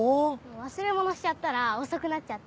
忘れ物しちゃったら遅くなっちゃって。